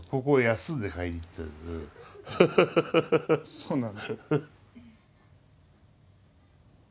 そうなんだ。